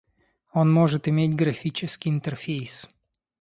Он может иметь графический интерфейс